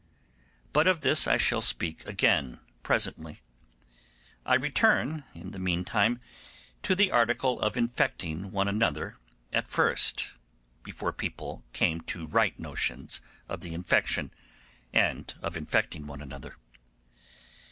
But of this I shall speak again presently. I return in the meantime to the article of infecting one another at first, before people came to right notions of the infection, and of infecting one another.